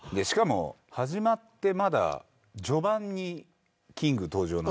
しかも始まってまだ序盤にキング登場なんで。